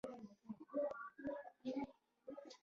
هسپانویانو د نورو شتمنیو لټولو لپاره هره خوا ولټل.